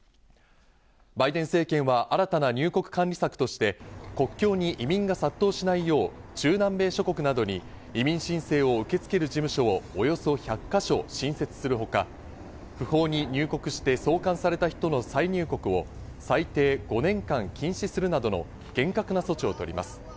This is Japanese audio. バイデン政権は新たな入国管理策として国境に移民が殺到しないよう、中南米諸国などに移民申請を受け付ける事務所をおよそ１００か所、新設するほか、不法に入国して送還された人の再入国を最低５年間禁止するなどの厳格な措置をとります。